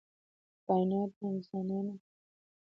کائنات د انسان د ارمانونو ملاتړ کوي.